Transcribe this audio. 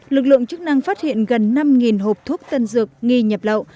lực lượng chức năng phát hiện gần năm hộp thuốc tân dược nghi nhập lậu